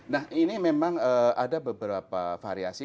nah ini memang ada beberapa variasi